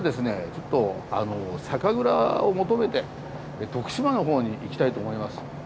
ちょっと酒蔵を求めて徳島のほうに行きたいと思います。